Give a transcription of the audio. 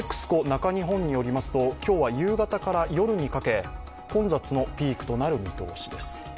ＮＥＸＣＯ中日本によりますと、今日は夕方から夜にかけ混雑のピークとなる見通しです。